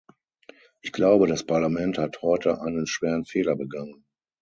Ich glaube, das Parlament hat heute einen schweren Fehler begangen.